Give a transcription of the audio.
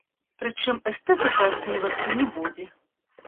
Прычым эстэтыка ацэньвацца не будзе.